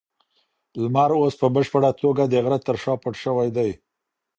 لمر اوس په بشپړه توګه د غره تر شا پټ شوی دی.